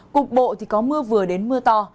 cục bộ có mưa vừa đến mưa to